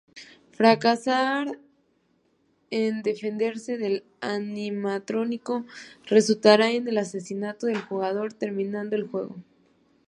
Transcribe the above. Fracasar en defenderse del animatrónico resultará en el asesinato del jugador, terminando el juego.